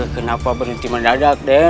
kenapa berhenti mendadak